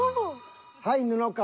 はい布川。